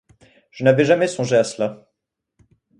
Je n’avais jamais songé à cela.